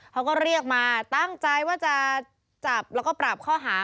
เขาก็เรียกมาตั้งใจว่าจะจับแล้วก็ปรับข้อหา